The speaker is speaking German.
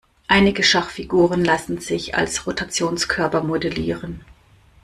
Einige Schachfiguren lassen sich als Rotationskörper modellieren.